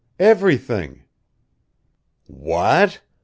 "Everything." "What?